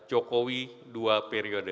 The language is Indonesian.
dan jokowi dua periode